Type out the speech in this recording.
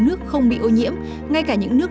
nước không bị ô nhiễm ngay cả những nước